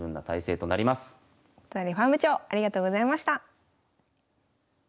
都成ファーム長ありがとうございました。